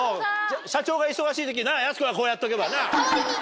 社長が忙しい時やす子がこうやっとけばな。